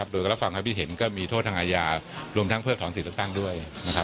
โดยก็ละฝั่งพิเศษก็มีโทษทางอาญารวมทั้งเพิ่มถอนสิทธิตั้งด้วย